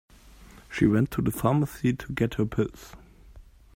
She went to the pharmacy to get her pills.